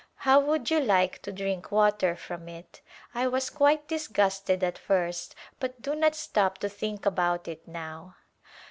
How would you like to drink water from it ? I was quite disgusted at first but do not stop to think about it now.